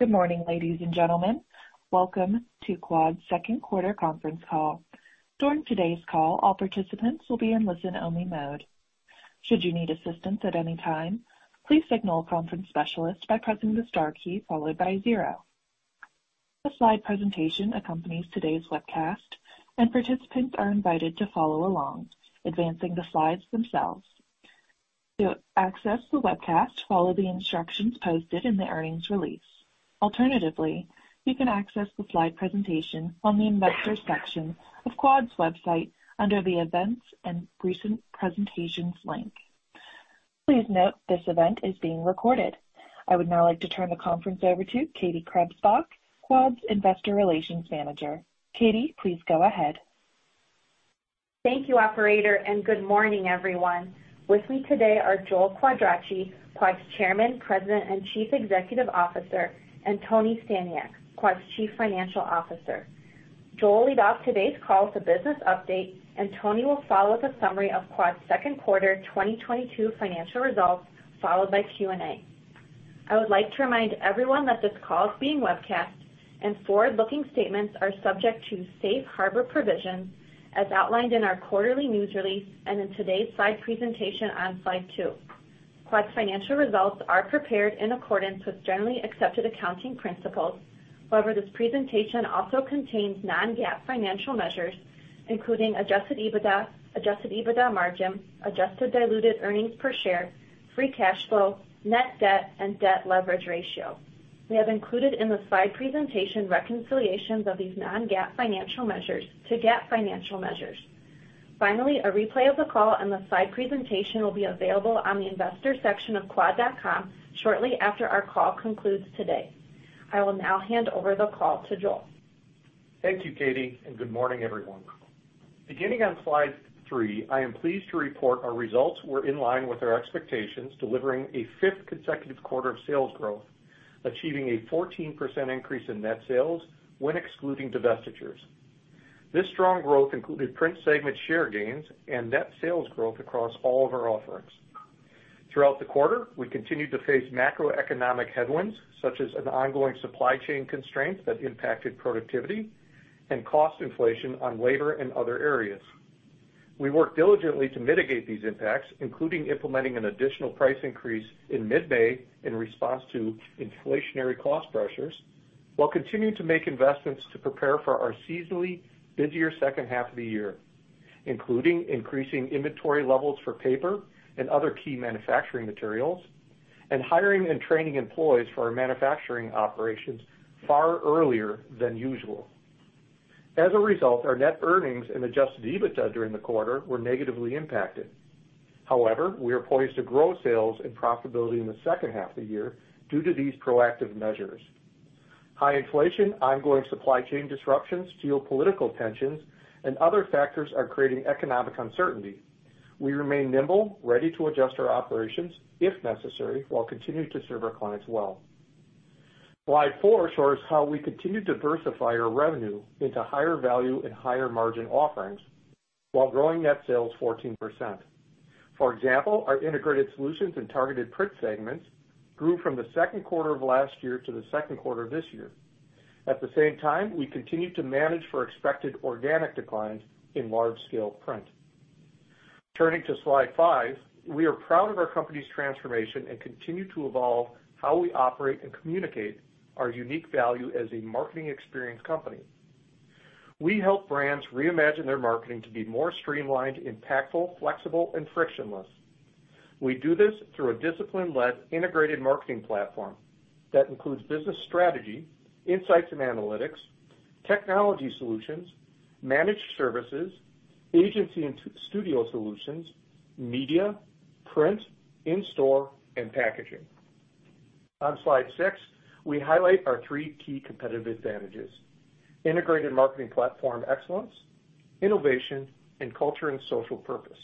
Good morning, ladies and gentlemen. Welcome to Quad's second quarter conference call. During today's call, all participants will be in listen-only mode. Should you need assistance at any time, please signal a conference specialist by pressing the star key followed by zero. A slide presentation accompanies today's webcast, and participants are invited to follow along, advancing the slides themselves. To access the webcast, follow the instructions posted in the earnings release. Alternatively, you can access the slide presentation on the investor section of Quad's website under the Events and Recent Presentations link. Please note this event is being recorded. I would now like to turn the conference over to Katie Krebsbach, Quad's Investor Relations Manager. Katie, please go ahead. Thank you, operator, and good morning, everyone. With me today are Joel Quadracci, Quad's Chairman, President, and Chief Executive Officer, and Tony Staniak, Quad's Chief Financial Officer. Joel will lead off today's call with a business update, and Tony will follow with a summary of Quad's second quarter 2022 financial results, followed by Q&A. I would like to remind everyone that this call is being webcast and forward-looking statements are subject to Safe Harbor provisions as outlined in our quarterly news release and in today's slide presentation on slide 2. Quad's financial results are prepared in accordance with generally accepted accounting principles. However, this presentation also contains non-GAAP financial measures, including Adjusted EBITDA, Adjusted EBITDA Margin, Adjusted Diluted Earnings Per Share, Free Cash Flow, Net Debt, and Debt Leverage Ratio. We have included in the slide presentation reconciliations of these non-GAAP financial measures to GAAP financial measures. Finally, a replay of the call and the slide presentation will be available on the investor section of quad.com shortly after our call concludes today. I will now hand over the call to Joel. Thank you, Katie, and good morning, everyone. Beginning on slide 3, I am pleased to report our results were in line with our expectations, delivering a fifth consecutive quarter of sales growth, achieving a 14% increase in net sales when excluding divestitures. This strong growth included Print segment share gains and net sales growth across all of our offerings. Throughout the quarter, we continued to face macroeconomic headwinds, such as an ongoing supply chain constraint that impacted productivity and cost inflation on labor and other areas. We worked diligently to mitigate these impacts, including implementing an additional price increase in mid-May in response to inflationary cost pressures, while continuing to make investments to prepare for our seasonally busier second half of the year, including increasing inventory levels for paper and other key manufacturing materials, and hiring and training employees for our manufacturing operations far earlier than usual. As a result, our net earnings and Adjusted EBITDA during the quarter were negatively impacted. However, we are poised to grow sales and profitability in the second half of the year due to these proactive measures. High inflation, ongoing supply chain disruptions, geopolitical tensions, and other factors are creating economic uncertainty. We remain nimble, ready to adjust our operations if necessary, while continuing to serve our clients well. Slide 4 shows how we continue to diversify our revenue into higher value and higher margin offerings while growing net sales 14%. For example, our integrated solutions and targeted print segments grew from the second quarter of last year to the second quarter of this year. At the same time, we continued to manage for expected organic declines in large-scale print. Turning to slide five, we are proud of our company's transformation and continue to evolve how we operate and communicate our unique value as a marketing experience company. We help brands reimagine their marketing to be more streamlined, impactful, flexible, and frictionless. We do this through a discipline-led integrated marketing platform that includes business strategy, insights and analytics, technology solutions, managed services, agency and studio solutions, media, print, in-store, and packaging. On slide six, we highlight our three key competitive advantages, integrated marketing platform excellence, innovation, and culture and social purpose.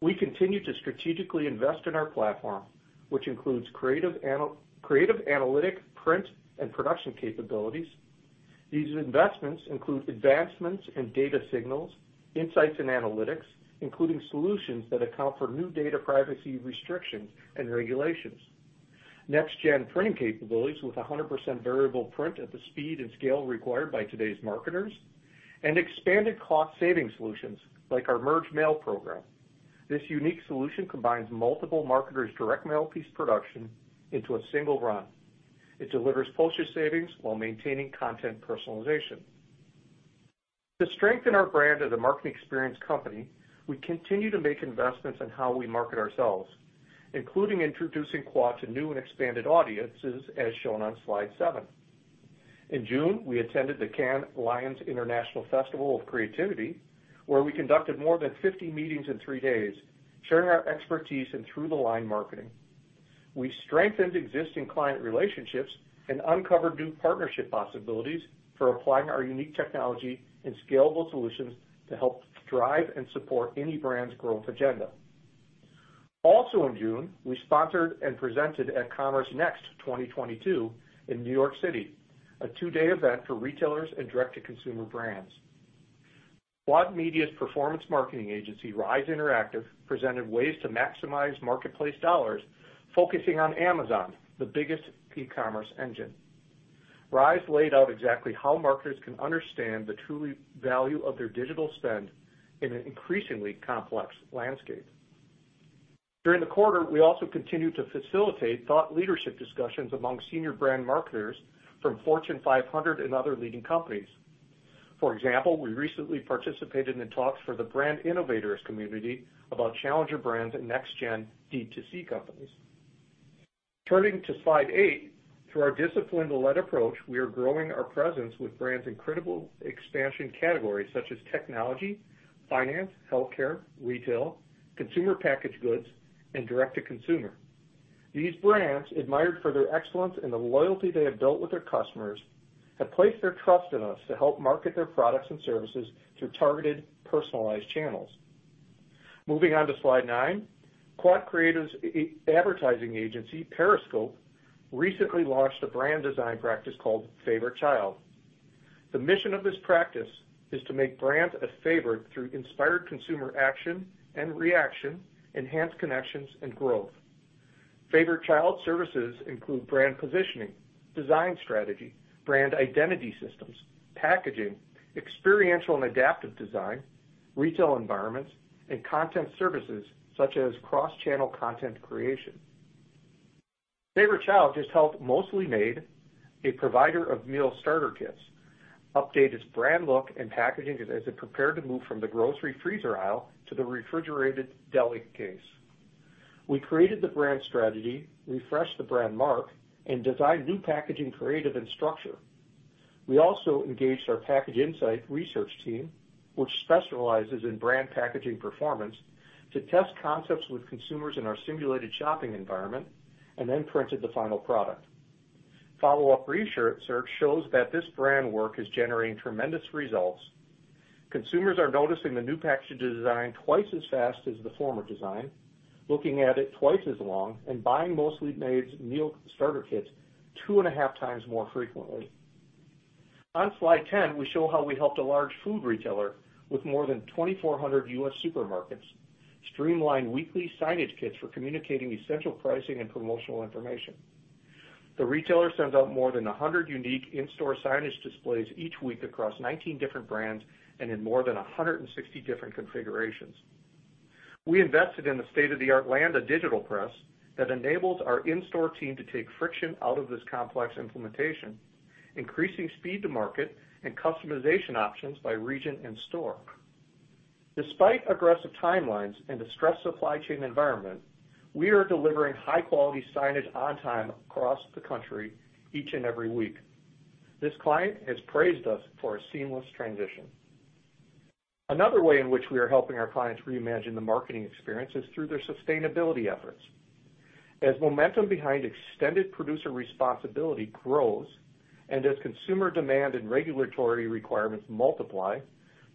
We continue to strategically invest in our platform, which includes creative analytic print and production capabilities. These investments include advancements in data signals, insights and analytics, including solutions that account for new data privacy restrictions and regulations. Next-gen printing capabilities with 100% variable print at the speed and scale required by today's marketers, and expanded cost-saving solutions like our co-mail program. This unique solution combines multiple marketers' direct mail piece production into a single run. It delivers postage savings while maintaining content personalization. To strengthen our brand as a marketing experience company, we continue to make investments in how we market ourselves, including introducing Quad to new and expanded audiences as shown on slide 7. In June, we attended the Cannes Lions International Festival of Creativity, where we conducted more than 50 meetings in three days, sharing our expertise in through-the-line marketing. We strengthened existing client relationships and uncovered new partnership possibilities for applying our unique technology and scalable solutions to help drive and support any brand's growth agenda. Also in June, we sponsored and presented at CommerceNext 2022 in New York City, a two-day event for retailers and direct-to-consumer brands. Quad Media's performance marketing agency, Rise Interactive, presented ways to maximize marketplace dollars, focusing on Amazon, the biggest e-commerce engine. Rise laid out exactly how marketers can understand the true value of their digital spend in an increasingly complex landscape. During the quarter, we also continued to facilitate thought leadership discussions among senior brand marketers from Fortune 500 and other leading companies. For example, we recently participated in talks for the Brand Innovators community about challenger brands and next-gen D2C companies. Turning to slide 8, through our disciplined and led approach, we are growing our presence with brands in critical expansion categories such as technology, finance, healthcare, retail, consumer packaged goods, and direct-to-consumer. These brands, admired for their excellence and the loyalty they have built with their customers, have placed their trust in us to help market their products and services through targeted, personalized channels. Moving on to slide 9, Quad Creative's advertising agency, Periscope, recently launched a brand design practice called Favorite Child. The mission of this practice is to make brands a favorite through inspired consumer action and reaction, enhanced connections and growth. Favorite Child services include brand positioning, design strategy, brand identity systems, packaging, experiential and adaptive design, retail environments, and content services such as cross-channel content creation. Favorite Child just helped Mostly Made, a provider of meal starter kits, update its brand look and packaging as it prepared to move from the grocery freezer aisle to the refrigerated deli case. We created the brand strategy, refreshed the brand mark, and designed new packaging creative and structure. We also engaged our Package InSight research team, which specializes in brand packaging performance, to test concepts with consumers in our simulated shopping environment and then printed the final product. Follow-up research shows that this brand work is generating tremendous results. Consumers are noticing the new packaging design twice as fast as the former design, looking at it twice as long, and buying Mostly Made's meal starter kits two and a half times more frequently. On slide 10, we show how we helped a large food retailer with more than 2,400 U.S. supermarkets streamline weekly signage kits for communicating essential pricing and promotional information. The retailer sends out more than 100 unique in-store signage displays each week across 19 different brands and in more than 160 different configurations. We invested in a state-of-the-art Landa digital press that enables our in-store team to take friction out of this complex implementation, increasing speed to market and customization options by region and store. Despite aggressive timelines and a stressed supply chain environment, we are delivering high-quality signage on time across the country each and every week. This client has praised us for a seamless transition. Another way in which we are helping our clients reimagine the marketing experience is through their sustainability efforts. As momentum behind extended producer responsibility grows and as consumer demand and regulatory requirements multiply,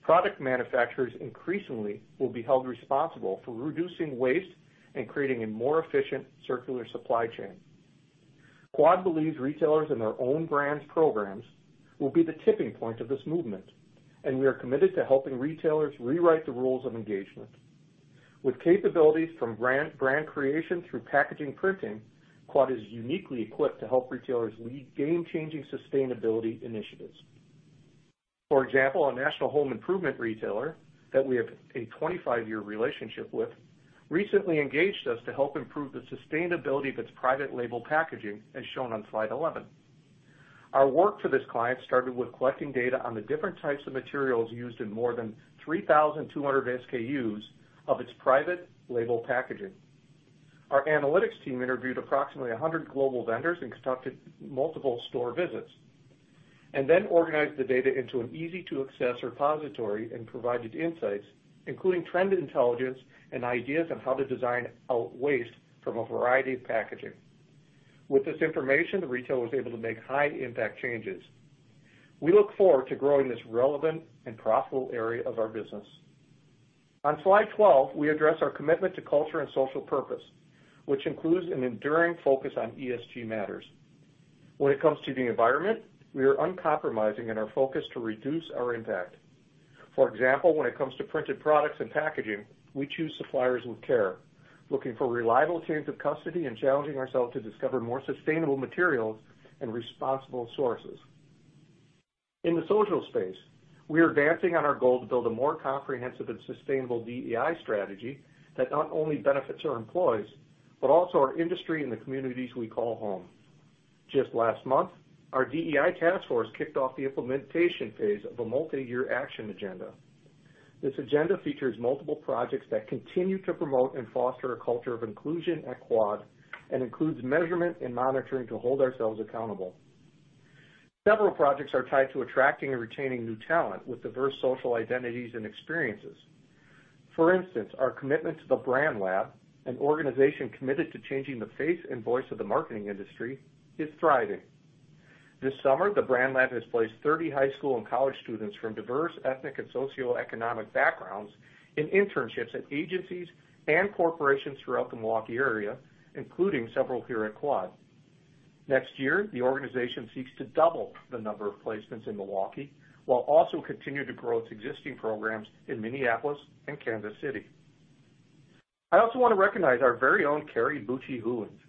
product manufacturers increasingly will be held responsible for reducing waste and creating a more efficient circular supply chain. Quad believes retailers and their own brands programs will be the tipping point of this movement, and we are committed to helping retailers rewrite the rules of engagement. With capabilities from brand creation through packaging printing, Quad is uniquely equipped to help retailers lead game-changing sustainability initiatives. For example, a national home improvement retailer that we have a 25-year relationship with recently engaged us to help improve the sustainability of its private label packaging, as shown on slide 11. Our work for this client started with collecting data on the different types of materials used in more than 3,200 SKUs of its private label packaging. Our analytics team interviewed approximately 100 global vendors and conducted multiple store visits, and then organized the data into an easy-to-access repository and provided insights, including trend intelligence and ideas on how to design out waste from a variety of packaging. With this information, the retailer was able to make high impact changes. We look forward to growing this relevant and profitable area of our business. On slide 12, we address our commitment to culture and social purpose, which includes an enduring focus on ESG matters. When it comes to the environment, we are uncompromising in our focus to reduce our impact. For example, when it comes to printed products and packaging, we choose suppliers with care, looking for reliable chains of custody and challenging ourselves to discover more sustainable materials and responsible sources. In the social space, we are advancing on our goal to build a more comprehensive and sustainable DEI strategy that not only benefits our employees, but also our industry and the communities we call home. Just last month, our DEI task force kicked off the implementation phase of a multi-year action agenda. This agenda features multiple projects that continue to promote and foster a culture of inclusion at Quad and includes measurement and monitoring to hold ourselves accountable. Several projects are tied to attracting and retaining new talent with diverse social identities and experiences. For instance, our commitment to The BrandLab, an organization committed to changing the face and voice of the marketing industry, is thriving. This summer, The BrandLab has placed 30 high school and college students from diverse ethnic and socioeconomic backgrounds in internships at agencies and corporations throughout the Milwaukee area, including several here at Quad. Next year, the organization seeks to double the number of placements in Milwaukee, while also continue to grow its existing programs in Minneapolis and Kansas City. I also wanna recognize our very own Cari Bucci-Hulings,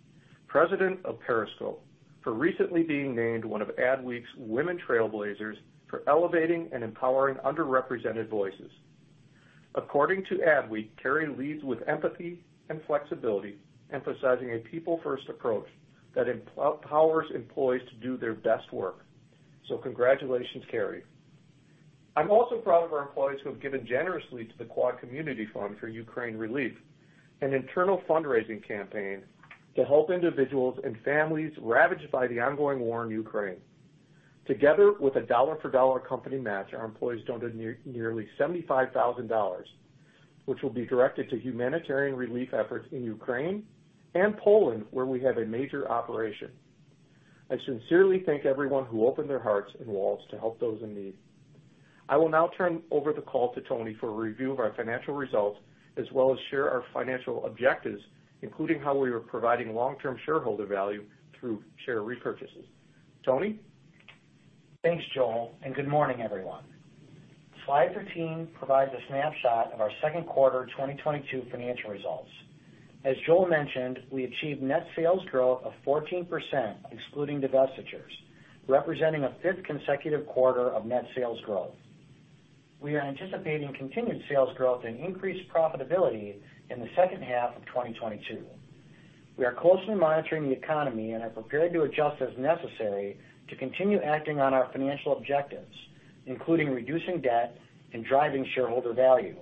President of Periscope, for recently being named one of Adweek's Women Trailblazers for elevating and empowering underrepresented voices. According to Adweek, Cari leads with empathy and flexibility, emphasizing a people-first approach that empowers employees to do their best work. Congratulations, Cari. I'm also proud of our employees who have given generously to the Quad Community Fund for Ukraine Relief, an internal fundraising campaign to help individuals and families ravaged by the ongoing war in Ukraine. Together with a dollar for dollar company match, our employees donated nearly $75,000, which will be directed to humanitarian relief efforts in Ukraine and Poland, where we have a major operation. I sincerely thank everyone who opened their hearts and wallets to help those in need. I will now turn over the call to Tony for a review of our financial results, as well as share our financial objectives, including how we are providing long-term shareholder value through share repurchases. Tony? Thanks, Joel, and good morning, everyone. Slide 13 provides a snapshot of our second quarter 2022 financial results. As Joel mentioned, we achieved net sales growth of 14% excluding divestitures, representing a 5th consecutive quarter of net sales growth. We are anticipating continued sales growth and increased profitability in the second half of 2022. We are closely monitoring the economy and are prepared to adjust as necessary to continue acting on our financial objectives, including reducing debt and driving shareholder value.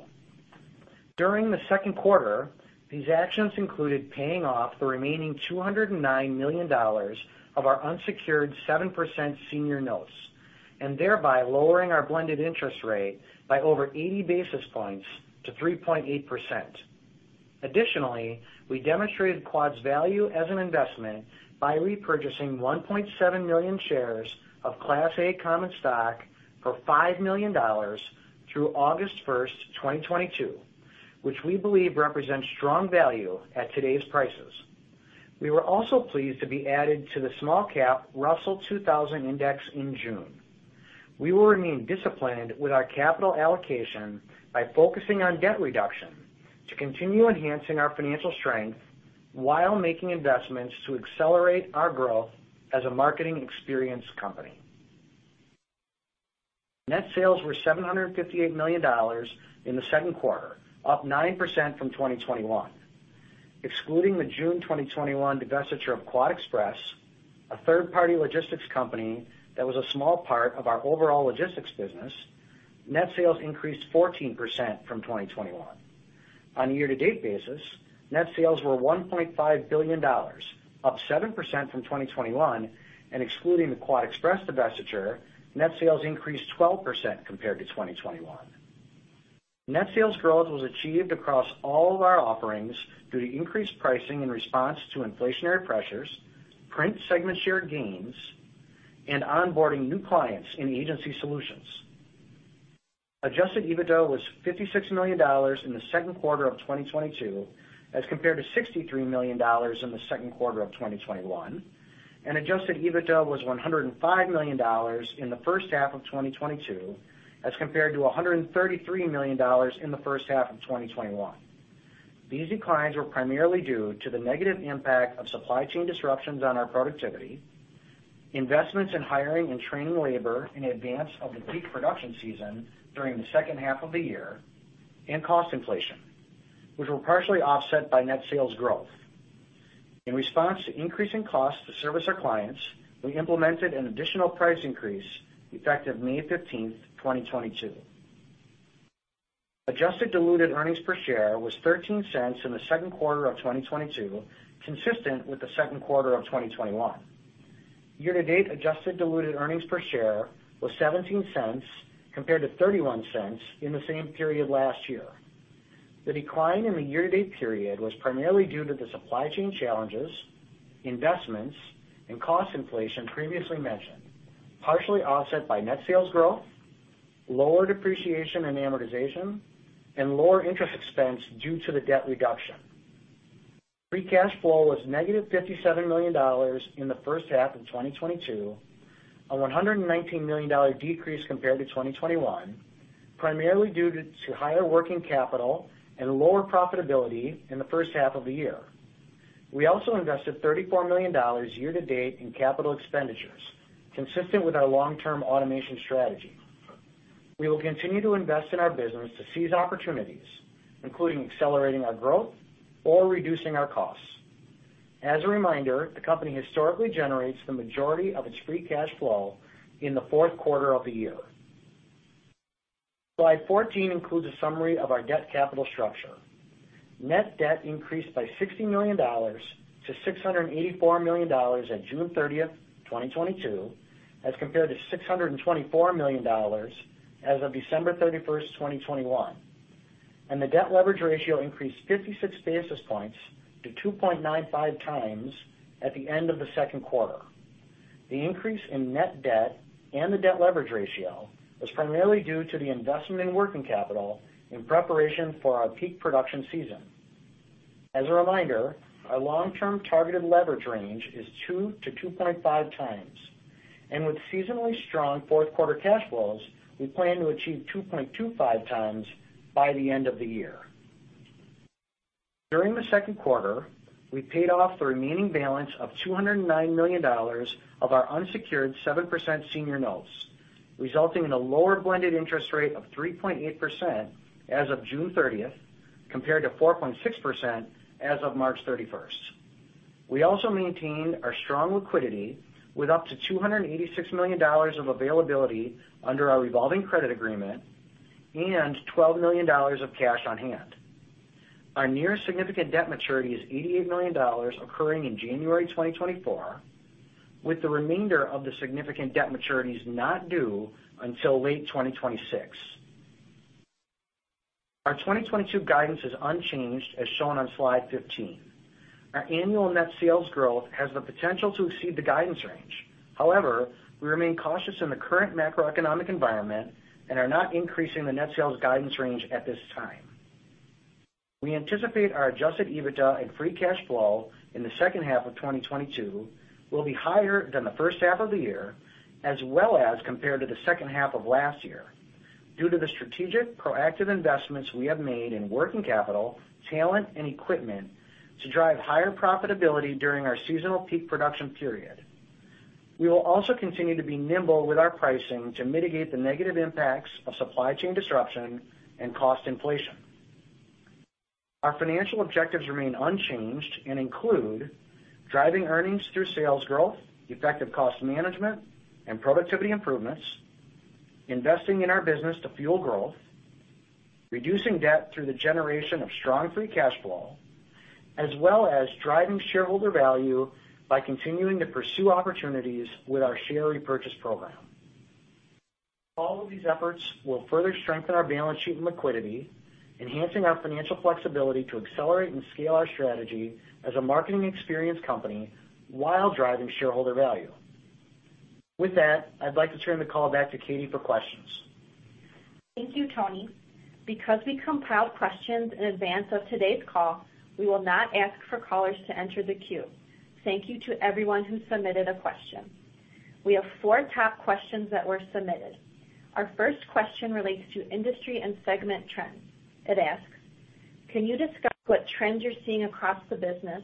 During the second quarter, these actions included paying off the remaining $209 million of our unsecured 7% senior notes, and thereby lowering our blended interest rate by over 80 basis points to 3.8%. Additionally, we demonstrated Quad's value as an investment by repurchasing 1.7 million shares of Class A common stock for $5 million through August 1, 2022, which we believe represents strong value at today's prices. We were also pleased to be added to the small-cap Russell 2000 index in June. We will remain disciplined with our capital allocation by focusing on debt reduction to continue enhancing our financial strength while making investments to accelerate our growth as a marketing experience company. Net sales were $758 million in the second quarter, up 9% from 2021. Excluding the June 2021 divestiture of QuadExpress, a third-party logistics company that was a small part of our overall logistics business, net sales increased 14% from 2021. On a year-to-date basis, net sales were $1.5 billion, up 7% from 2021, and excluding the QuadExpress divestiture, net sales increased 12% compared to 2021. Net sales growth was achieved across all of our offerings due to increased pricing in response to inflationary pressures, print segment share gains, and onboarding new clients in agency solutions. Adjusted EBITDA was $56 million in the second quarter of 2022, as compared to $63 million in the second quarter of 2021. Adjusted EBITDA was $105 million in the first half of 2022, as compared to $133 million in the first half of 2021. These declines were primarily due to the negative impact of supply chain disruptions on our productivity, investments in hiring and training labor in advance of the peak production season during the second half of the year, and cost inflation, which were partially offset by net sales growth. In response to increasing costs to service our clients, we implemented an additional price increase effective May 15, 2022. Adjusted Diluted Earnings Per Share was $0.13 in the second quarter of 2022, consistent with the second quarter of 2021. Year-to-date Adjusted Diluted Earnings Per Share was $0.17 compared to $0.31 in the same period last year. The decline in the year-to-date period was primarily due to the supply chain challenges, investments, and cost inflation previously mentioned, partially offset by net sales growth, lower depreciation and amortization, and lower interest expense due to the debt reduction. Free Cash Flow was negative $57 million in the first half of 2022, a $119 million decrease compared to 2021, primarily due to higher working capital and lower profitability in the first half of the year. We also invested $34 million year-to-date in capital expenditures, consistent with our long-term automation strategy. We will continue to invest in our business to seize opportunities, including accelerating our growth or reducing our costs. As a reminder, the company historically generates the majority of its Free Cash Flow in the fourth quarter of the year. Slide 14 includes a summary of our debt capital structure. Net Debt increased by $60 million to $684 million on June 30, 2022, as compared to $624 million as of December 31, 2021. The debt leverage ratio increased 56 basis points to 2.95 times at the end of the second quarter. The increase in net debt and the debt leverage ratio was primarily due to the investment in working capital in preparation for our peak production season. As a reminder, our long-term targeted leverage range is 2-2.5 times. With seasonally strong fourth quarter cash flows, we plan to achieve 2.25 times by the end of the year. During the second quarter, we paid off the remaining balance of $209 million of our unsecured 7% senior notes, resulting in a lower blended interest rate of 3.8% as of June 30, compared to 4.6% as of March 31. We also maintained our strong liquidity with up to $286 million of availability under our revolving credit agreement and $12 million of cash on hand. Our nearest significant debt maturity is $88 million occurring in January 2024, with the remainder of the significant debt maturities not due until late 2026. Our 2022 guidance is unchanged as shown on slide 15. Our annual net sales growth has the potential to exceed the guidance range. However, we remain cautious in the current macroeconomic environment and are not increasing the net sales guidance range at this time. We anticipate our Adjusted EBITDA and Free Cash Flow in the second half of 2022 will be higher than the first half of the year, as well as compared to the second half of last year, due to the strategic proactive investments we have made in working capital, talent, and equipment to drive higher profitability during our seasonal peak production period. We will also continue to be nimble with our pricing to mitigate the negative impacts of supply chain disruption and cost inflation. Our financial objectives remain unchanged and include driving earnings through sales growth, effective cost management and productivity improvements, investing in our business to fuel growth, reducing debt through the generation of strong Free Cash Flow, as well as driving shareholder value by continuing to pursue opportunities with our share repurchase program. All of these efforts will further strengthen our balance sheet and liquidity, enhancing our financial flexibility to accelerate and scale our strategy as a marketing experience company while driving shareholder value. With that, I'd like to turn the call back to Katie for questions. Thank you, Tony. Because we compiled questions in advance of today's call, we will not ask for callers to enter the queue. Thank you to everyone who submitted a question. We have four top questions that were submitted. Our first question relates to industry and segment trends. It asks, "Can you discuss what trends you're seeing across the business?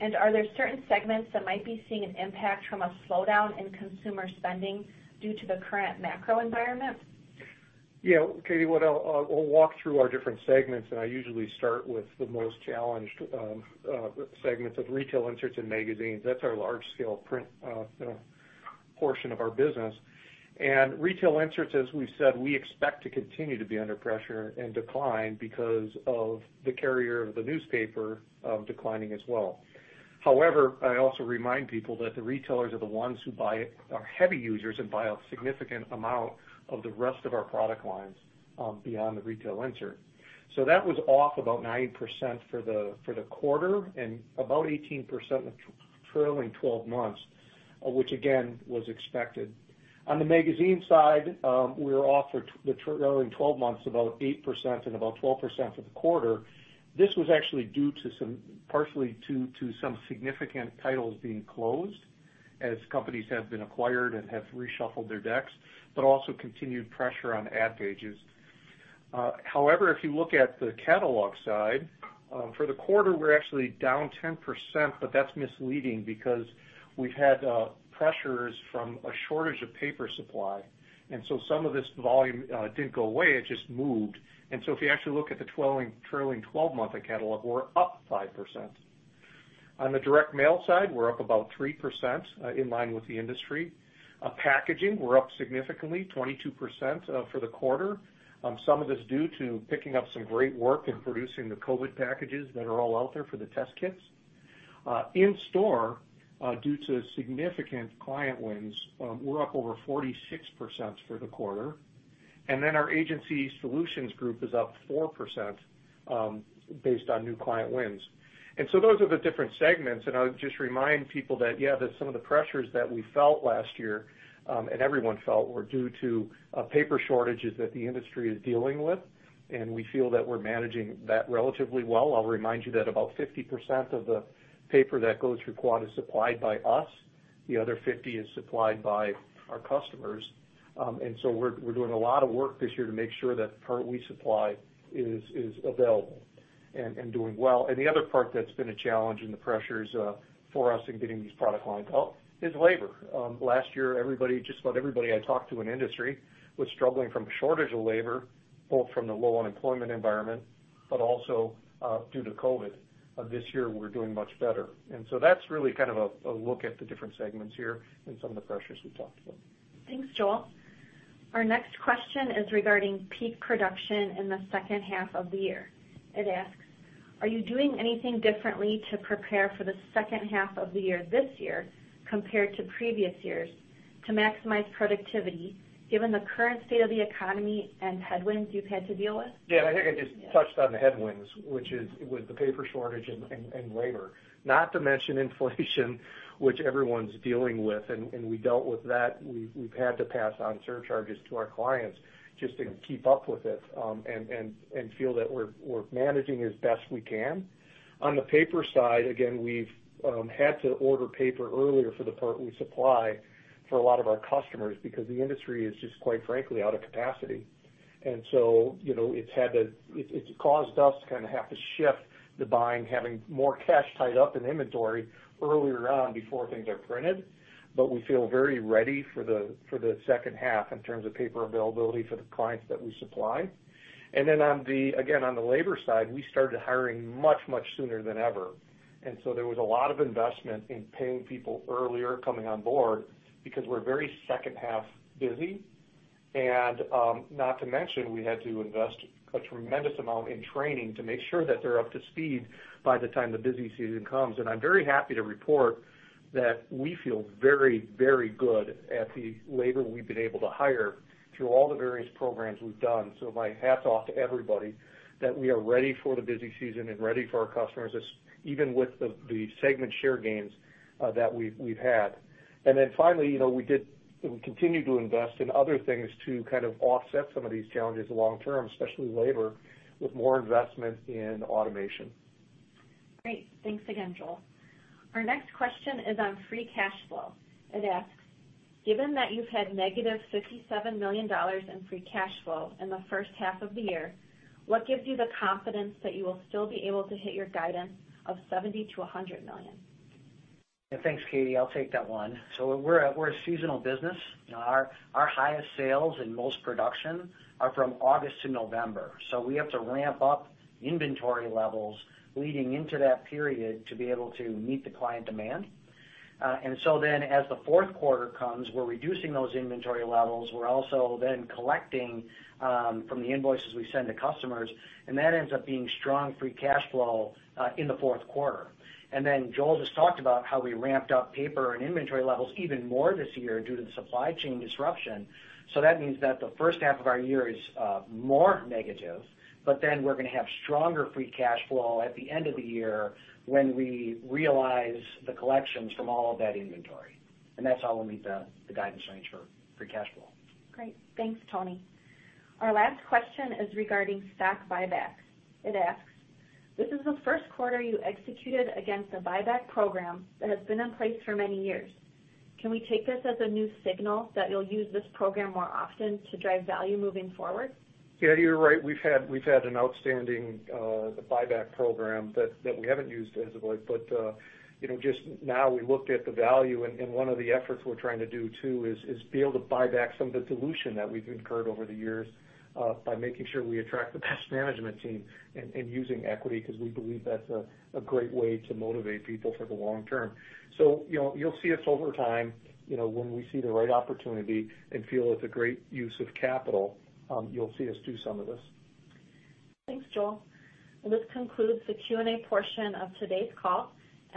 And are there certain segments that might be seeing an impact from a slowdown in consumer spending due to the current macro environment? Yeah. Katie, I'll walk through our different segments, and I usually start with the most challenged segments of retail inserts and magazines. That's our large scale print portion of our business. Retail inserts, as we've said, we expect to continue to be under pressure and decline because of the circulation of the newspaper declining as well. However, I also remind people that the retailers are the ones who buy it, are heavy users and buy a significant amount of the rest of our product lines beyond the retail insert. That was off about 9% for the quarter and about 18% in the trailing twelve months, which again, was expected. On the magazine side, we were off for the trailing twelve months about 8% and about 12% for the quarter. This was actually due to some significant titles being closed as companies have been acquired and have reshuffled their decks, but also continued pressure on ad pages. However, if you look at the catalog side, for the quarter, we're actually down 10%, but that's misleading because we've had pressures from a shortage of paper supply. Some of this volume didn't go away, it just moved. If you actually look at the trailing twelve months of catalog, we're up 5%. On the direct mail side, we're up about 3%, in line with the industry. Packaging, we're up significantly, 22%, for the quarter. Some of this due to picking up some great work in producing the COVID packages that are all out there for the test kits. In-store, due to significant client wins, we're up over 46% for the quarter. Then our agency solutions group is up 4%, based on new client wins. Those are the different segments. I would just remind people that some of the pressures that we felt last year, and everyone felt were due to paper shortages that the industry is dealing with, and we feel that we're managing that relatively well. I'll remind you that about 50% of the paper that goes through Quad is supplied by us. The other 50 is supplied by our customers. We're doing a lot of work this year to make sure that the part we supply is available and doing well. The other part that's been a challenge and the pressures for us in getting these product lines out is labor. Last year, everybody, just about everybody I talked to in industry was struggling from a shortage of labor, both from the low unemployment environment, but also due to COVID. This year, we're doing much better. That's really kind of a look at the different segments here and some of the pressures we talked about. Thanks, Joel. Our next question is regarding peak production in the second half of the year. It asks, "Are you doing anything differently to prepare for the second half of the year this year compared to previous years? To maximize productivity given the current state of the economy and headwinds you've had to deal with? Yeah. I think I just touched on the headwinds, which is with the paper shortage and labor, not to mention inflation, which everyone's dealing with. We dealt with that. We've had to pass on surcharges to our clients just to keep up with it, and feel that we're managing as best we can. On the paper side, again, we've had to order paper earlier for the part we supply for a lot of our customers because the industry is just, quite frankly, out of capacity. You know, it's caused us to kinda have to shift to buying, having more cash tied up in inventory earlier on before things are printed. We feel very ready for the second half in terms of paper availability for the clients that we supply. On the, again, on the labor side, we started hiring much sooner than ever. There was a lot of investment in paying people earlier coming on board because we're very second half busy. Not to mention, we had to invest a tremendous amount in training to make sure that they're up to speed by the time the busy season comes. I'm very happy to report that we feel very good at the labor we've been able to hire through all the various programs we've done. My hats off to everybody that we are ready for the busy season and ready for our customers, even with the segment share gains that we've had. Finally, you know, we continue to invest in other things to kind of offset some of these challenges long term, especially labor, with more investment in automation. Great. Thanks again, Joel. Our next question is on free cash flow. It asks, "Given that you've had -$57 million in free cash flow in the first half of the year, what gives you the confidence that you will still be able to hit your guidance of $70 million-$100 million? Yeah. Thanks, Katie. I'll take that one. We're a seasonal business. Our highest sales and most production are from August to November. We have to ramp up inventory levels leading into that period to be able to meet the client demand. As the fourth quarter comes, we're reducing those inventory levels. We're also then collecting from the invoices we send to customers, and that ends up being strong Free Cash Flow in the fourth quarter. Joel just talked about how we ramped up paper and inventory levels even more this year due to the supply chain disruption. That means that the first half of our year is more negative, but then we're gonna have stronger Free Cash Flow at the end of the year when we realize the collections from all of that inventory. That's how we'll meet the guidance range for free cash flow. Great. Thanks, Tony. Our last question is regarding stock buybacks. It asks, "This is the first quarter you executed against a buyback program that has been in place for many years. Can we take this as a new signal that you'll use this program more often to drive value moving forward? Yeah, you're right. We've had an outstanding buyback program that we haven't used as of late. You know, just now we looked at the value, and one of the efforts we're trying to do too is be able to buy back some of the dilution that we've incurred over the years, by making sure we attract the best management team and using equity, 'cause we believe that's a great way to motivate people for the long term. You know, you'll see us over time, you know, when we see the right opportunity and feel it's a great use of capital, you'll see us do some of this. Thanks, Joel. This concludes the Q&A portion of today's call.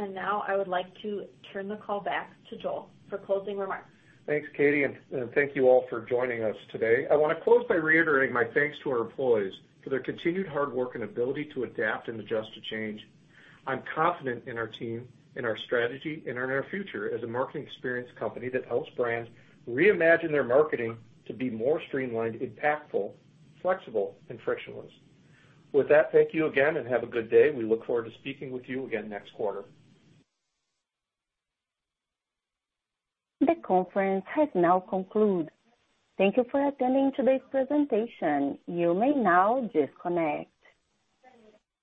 Now I would like to turn the call back to Joel for closing remarks. Thanks, Katie. Thank you all for joining us today. I wanna close by reiterating my thanks to our employees for their continued hard work and ability to adapt and adjust to change. I'm confident in our team, in our strategy, and in our future as a marketing experience company that helps brands reimagine their marketing to be more streamlined, impactful, flexible, and frictionless. With that, thank you again and have a good day. We look forward to speaking with you again next quarter. The conference has now concluded. Thank you for attending today's presentation. You may now disconnect.